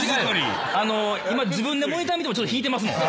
自分でモニター見てもちょっと引いてますもん。